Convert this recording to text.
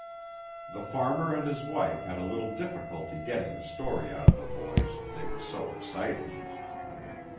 The farmer and his wife had a little difficulty getting the story out of the boys, they were so excited.